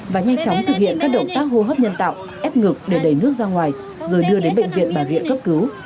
và nhanh chóng thực hiện các động tác hô hấp nhân tạo ép ngực để đẩy nước ra ngoài rồi đưa đến bệnh viện bà rịa cấp cứu